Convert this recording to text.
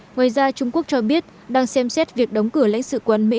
ngoài ra trung quốc cho biết đang xem xét việc đóng cửa lãnh sự quán mỹ